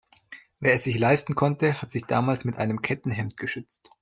Wer es sich leisten konnte, hat sich damals mit einem Kettenhemd geschützt.